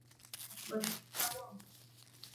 زه اوښبهني کوم.